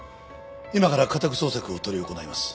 今から家宅捜索を執り行います。